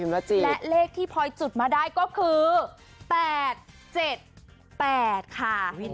และเลขที่พลอยจุดมาได้ก็คือ๘๗๘ค่ะ